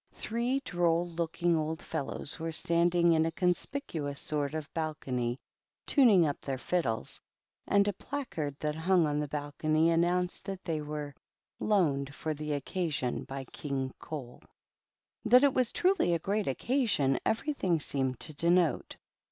Three droll looking old fellows were standing in a conspicuous sort of balcony tuning up their fiddles, and a placard that hung on the balcony announced that they were ^^ Loaned for the Occasion by King CoUP That it was truly a great occasion everything seemed to denote.